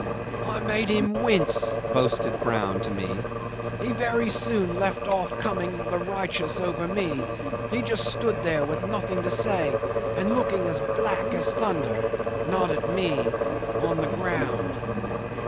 "I made him wince," boasted Brown to me. "He very soon left off coming the righteous over me. He just stood there with nothing to say, and looking as black as thunder not at me on the ground."